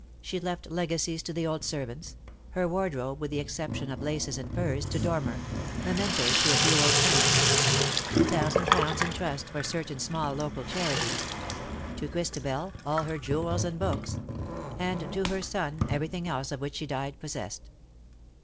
She left legacies to the old servants ; her wardrobe, with the exception of laces and furs, to Dormer ; mementoes to a few old friends ; two thousand pounds in trust for certain small local charities ; to Christabel all her jewels and books ; and to her son everything else of ■which she died possessed.